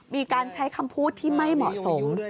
มีการใช้คำพูดที่ไม่เหมาะสม